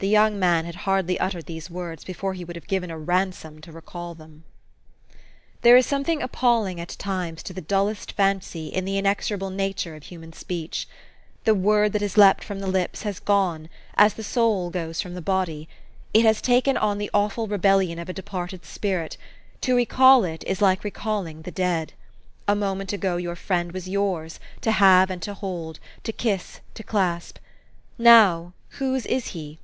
The young man had hardly uttered these words before he would have given a ransom to recall them. There is something appalling, at times, to the dull est fancy, in the inexorable nature of human speech. The word that has leaped from the h'ps has gone, as 114 THE STORY OF AVIS. the soul goes from the body ; it has taken on the awful rebellion of a departed spirit ; to recall it is like recalling the dead. A moment ago your friend was yours, to have and to hold, to kiss, to clasp. Now, whose is he?